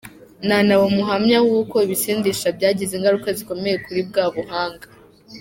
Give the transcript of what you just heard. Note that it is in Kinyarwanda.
Nanaba umuhamya w’uko ibisindisha byagize ingaruka zikomeye kuri bwa buhanga.